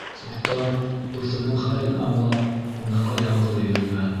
Суртан, дуҫының хәлен аңлап, һунарға яңғыҙы йөрөгән.